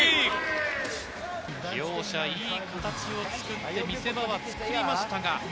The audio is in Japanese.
両者いい形を作って見せ場を作りましたが。